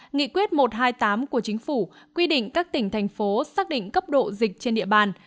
nghị quyết một trăm hai mươi tám của chính phủ quy định các tỉnh thành phố xác định cấp độ dịch trên địa bàn